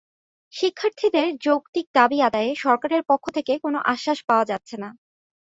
শিক্ষার্থীদের যৌক্তিক দাবি আদায়ে সরকারের পক্ষ থেকে কোনো আশ্বাস পাওয়া যাচ্ছে না।